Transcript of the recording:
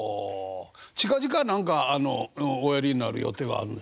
近々何かあのおやりになる予定はあるんですか？